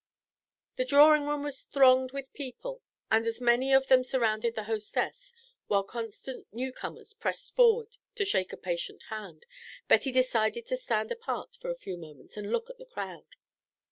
The drawing room was thronged with people, and as many of them surrounded the hostess, while constant new comers pressed forward to shake a patient hand, Betty decided to stand apart for a few moments and look at the crowd.